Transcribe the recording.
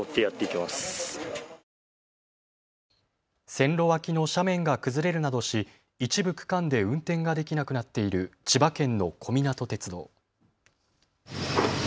線路脇の斜面が崩れるなどし一部区間で運転ができなくなっている千葉県の小湊鐵道。